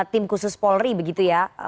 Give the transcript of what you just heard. tim khusus polri begitu ya